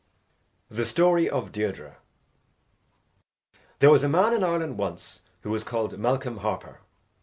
The Story of Deirdre There was a man in Ireland once who was called Malcolm Harper.